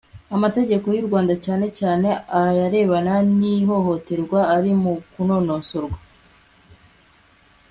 amategeko y'u rwanda cyane cyane ayarebana n'ihohoterwa ari mu kunonosorwa